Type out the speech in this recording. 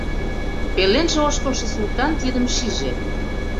Пеленже ошкылшо Султан тидым шиже.